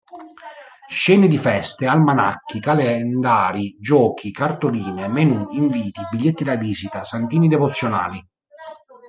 Scene di feste, almanacchi, calendari, giochi, cartoline, menù, inviti, biglietti da visita, santini devozionali.